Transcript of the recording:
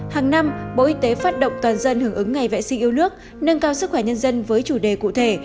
hàng năm bộ y tế phát động toàn dân hưởng ứng ngày vệ sinh yêu nước nâng cao sức khỏe nhân dân với chủ đề cụ thể